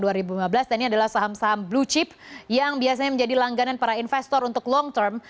dan ini adalah saham saham blue chip yang biasanya menjadi langganan para investor untuk long term